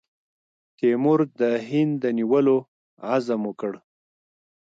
تیمور د هند د نیولو عزم وکړ.